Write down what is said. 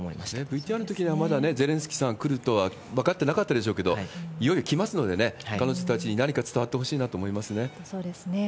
ＶＴＲのときには、まだゼレンスキーさん来るとは分かってなかったでしょうけれども、いよいよ来ますのでね、彼女たちに何か本当、そうですね。